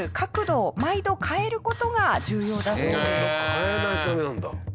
変えないとダメなんだ。